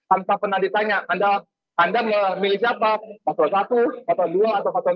tanpa pernah ditanya anda memilih siapa pasukan satu atau dua atau pasukan tiga